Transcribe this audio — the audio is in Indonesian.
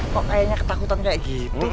kok kayaknya ketakutan kayak gitu